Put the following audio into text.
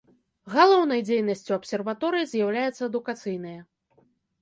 Галоўнай дзейнасцю абсерваторыі з'яўляецца адукацыйная.